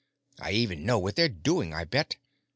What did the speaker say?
I even know what they're doing, I bet.